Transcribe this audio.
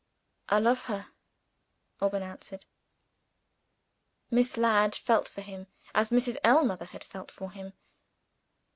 "I love her," Alban answered. Miss Ladd felt for him, as Mrs. Ellmother had felt for him.